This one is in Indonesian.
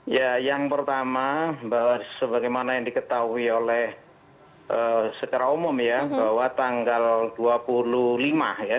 ya yang pertama bahwa sebagaimana yang diketahui oleh secara umum ya bahwa tanggal dua puluh lima ya